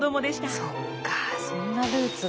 そっかそんなルーツが。